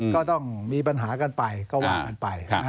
ก็ต้องมีปัญหากันไปก็ว่ากันไป